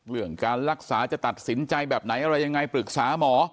เรื่องการรักษาจะตัดสินใจแบบไหนอะไรยังไงปรึกษาหมอ